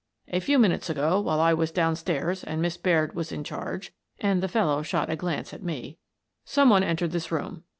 A few minutes ago, while I was down stairs and Miss Baird was in charge "— and the fellow shot a glance at me —" some one entered this room.